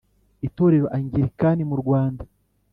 itorero angilikani mu Rwanda